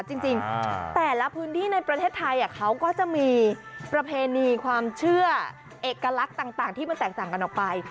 จริงแต่ละพื้นที่ในประเทศไทยเขาก็จะมีประเพณีความเชื่อเอกลักษณ์ต่างที่มันแตกต่างกันออกไป